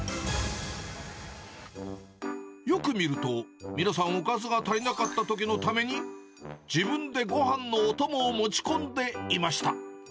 よく見ると、皆さん、おかずが足りなかったときのために、自分でごはんのお供を持ち込んでいました。